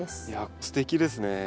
いやすてきですね。